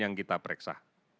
yang kita periksa